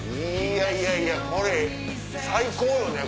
いやいやいやこれ最高よね